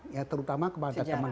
ya terutama kepada teman teman